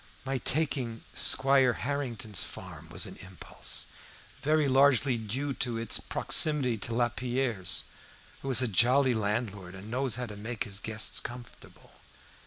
My taking Squire Harrington's farm was an impulse, very largely due to its proximity to Lapierre's, who is a jolly landlord and knows how to make his guests comfortable.